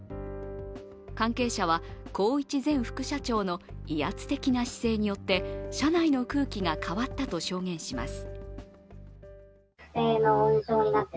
関係者は、宏一前副社長の威圧的な姿勢によって社内の空気が変わったと証言します。